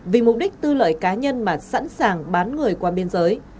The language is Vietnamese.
vì mục đích tư lợi cá nhân mà sẵn sàng bán người qua biên giới